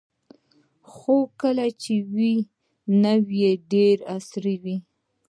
خو کله چې وې نو ډیرې عصري وې